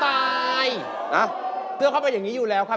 เพราะว่ารายการหาคู่ของเราเป็นรายการแรกนะครับ